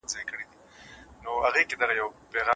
پر ميرمن باندي د خاوند لمسيان حرام دي.